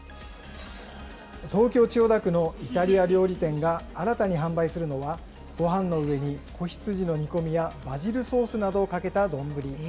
東京・千代田区のイタリア料理店が新たに販売するのは、ごはんの上に、子羊の煮込みやバジルソースなどをかけた丼。